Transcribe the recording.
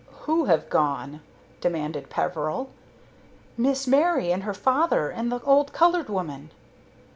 "Who have gone?" demanded Peveril. "Miss Mary and her father and the old colored woman."